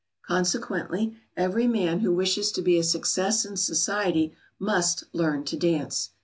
Consequently, every man who wishes to be a success in society must learn to dance.